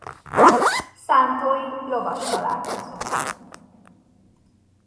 Szántói Lovas Találkozón.